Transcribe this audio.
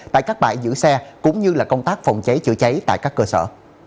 tại các bãi giữ xe cũng như công tác phòng cháy chữa cháy tại các cơ sở